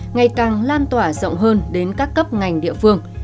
ngày càng lan tỏa rộng hơn đến các cấp ngành địa phương